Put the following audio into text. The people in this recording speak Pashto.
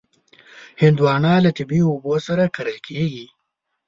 هندوانه له طبعي اوبو سره کرل کېږي.